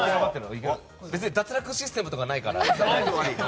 別に脱落システムとかはないから。